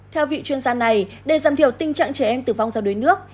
theo vị chuyên gia này để giảm thiểu tình trạng trẻ em tử vong do đuối nước